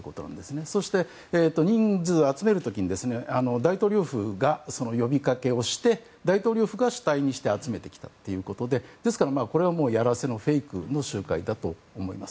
そして、人数を集める時に大統領府が呼びかけをして大統領府が主体にして集めてきたということでですから、これはやらせのフェイクの集会だと思います。